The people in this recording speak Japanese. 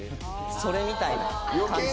それみたいな感じで。